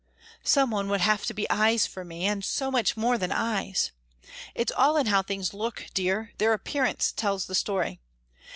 Some one would have to be eyes for me and so much more than eyes. It's all in how things look, dear their appearance tells the story.